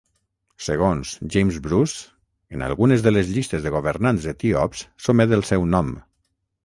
Segons James Bruce, en algunes de les llistes de governants etíops s'omet el seu nom.